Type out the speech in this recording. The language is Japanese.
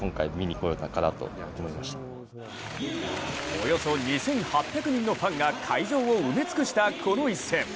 およそ２８００人のファンが会場を埋め尽くしたこの一戦。